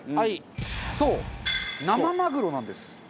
そう生マグロなんです。